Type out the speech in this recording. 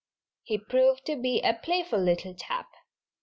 He proved to be a playful little chap.